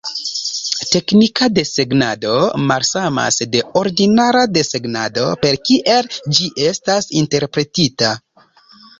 Teknika desegnado malsamas de ordinara desegnado per kiel ĝi estas interpretita.